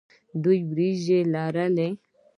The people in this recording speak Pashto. دوی وریجې کرل.